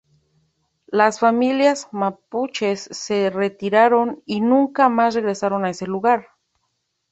Las familias mapuches se retiraron y nunca más regresaron a ese lugar.